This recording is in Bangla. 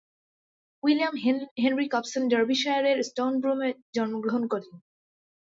উইলিয়াম হেনরি কপসন ডার্বিশায়ারের স্টোনব্রুমে জন্মগ্রহণ করেন।